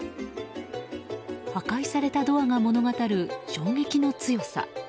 破壊されたドアが物語る衝撃の強さ。